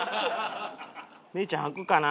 芽郁ちゃん履くかな？